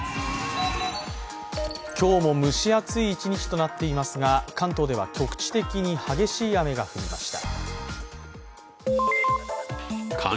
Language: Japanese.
今日も蒸し暑い一日となっていますが、関東では、局地的に激しい雨が降りました。